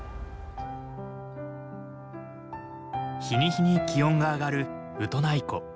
日に日に気温が上がるウトナイ湖。